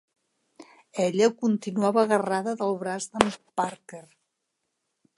Ella continuava agarrada del braç d'en Parker.